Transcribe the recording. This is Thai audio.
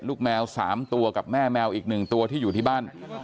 แมว๓ตัวกับแม่แมวอีก๑ตัวที่อยู่ที่บ้าน